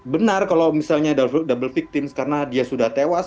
benar kalau misalnya double victim karena dia sudah tewas